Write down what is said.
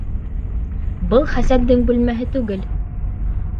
Был Хәсәндең бүлмәһе түгел!